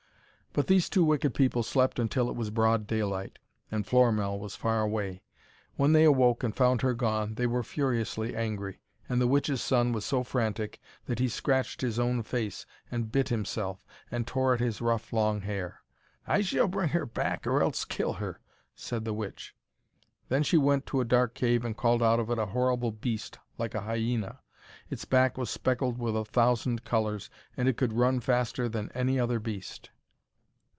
But these two wicked people slept until it was broad daylight and Florimell was far away. When they awoke and found her gone, they were furiously angry, and the witch's son was so frantic that he scratched his own face and bit himself, and tore at his rough long hair. 'I shall bring her back, or else kill her!' said the witch. Then she went to a dark cave, and called out of it a horrible beast like a hyena. Its back was speckled with a thousand colours, and it could run faster than any other beast.